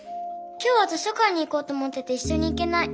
今日は図書館に行こうと思ってていっしょに行けない。